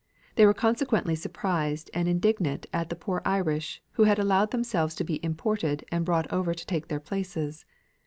They were consequently surprised and indignant at the poor Irish, who had allowed themselves to be imported and brought over to take their places.